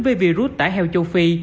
với virus tải heo châu phi